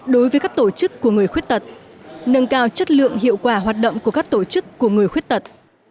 đối với các tổ chức của người khuyết tật